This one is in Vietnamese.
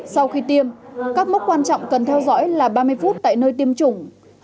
sau khi tiêm các mốc quan trọng cần theo dõi là ba mươi phút tại nơi tiêm chủng